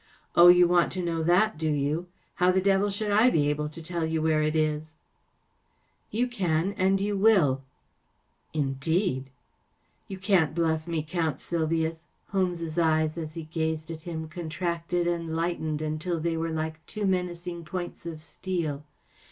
44 Oh, you want to know that, do you ? How the devil should I be able to tell you where it is ? ‚ÄĚ 44 You can, and you will.‚ÄĚ 44 Indeed ! ‚ÄĚ 44 You can't bluff me, Count Sylvius.‚ÄĚ Holmes's eyes, as he gazed at him, con¬ tracted and lightened until they were like two menacing points of steel.